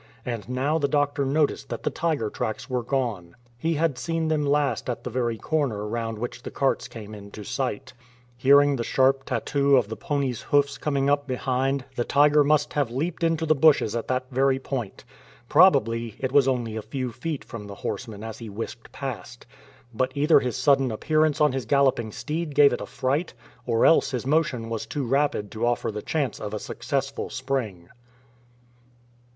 And now the doctor noticed that the tiger tracks were gone. He had seen them last at the very corner round which the carts came into sight. Hearing the sharp tattoo of the pony''s hoofs coming up behind, the tiger must have leaped into the bushes at that very point. Probably it was only a few feet from the horseman as he whisked past. But either his sudden appearance on his galloping steed gave it a fright, or else his motion was too rapid to offer the chance of a successful spring.